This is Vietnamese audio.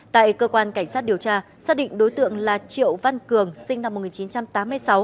tại cơ quan cảnh sát điều tra xác định đối tượng là triệu văn cường sinh năm một nghìn chín trăm tám mươi sáu